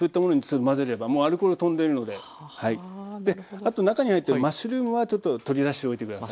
あと中に入ってるマッシュルームはちょっと取り出しておいて下さい。